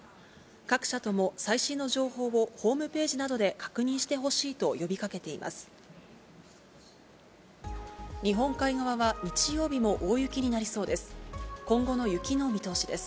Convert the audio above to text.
各社とも、最新の情報をホームページなどで確認してほしいと呼びかけています。